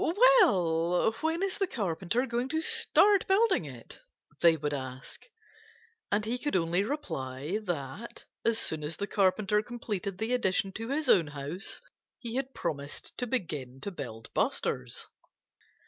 "Well, when is the Carpenter going to start building it?" they would ask. And he could only reply that as soon as the Carpenter completed the addition to his own house he had promised to begin to build Buster's.